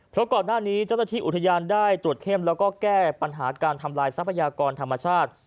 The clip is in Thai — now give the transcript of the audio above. เพราะก่อนหน้านี้เจ้าหน้าที่อุทยานได้ตรวจเข้มแล้วก็แก้ปัญหาการทำลายทรัพยากรธรรมชาติ